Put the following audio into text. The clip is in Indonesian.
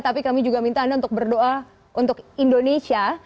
tapi kami juga minta anda untuk berdoa untuk indonesia